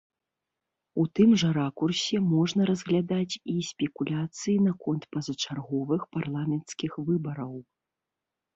У тым жа ракурсе можна разглядаць і спекуляцыі наконт пазачарговых парламенцкіх выбараў.